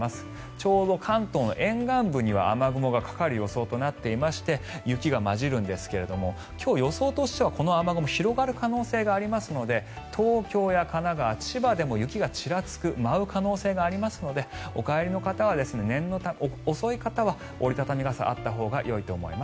ちょうど関東の沿岸部には雨雲がかかる予想となっていまして雪が交じるんですが今日、予想としてはこの雨雲広がる可能性がありますので東京や神奈川、千葉でも雪がちらつく舞う可能性がありますのでお帰りの遅い方は折り畳み傘があったほうがいいと思います。